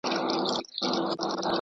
ورته وګورې په مـينه